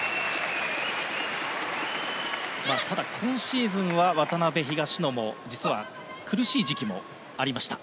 ただ、今シーズンは渡辺・東野も実は苦しい時期もありました。